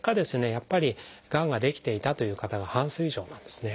やっぱりがんが出来ていたという方が半数以上なんですね。